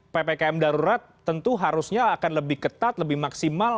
ppkm darurat tentu harusnya akan lebih ketat lebih maksimal